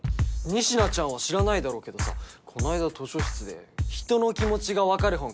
仁科ちゃんは知らないだろうけどさこないだ図書室で「人の気持ちがわかる本」